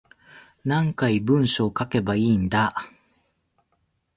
何回文章書けばいいんだ